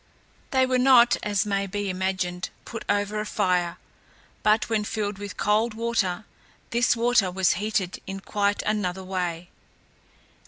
They were not, as may be imagined, put over a fire, but when filled with cold water this water was heated in quite another way.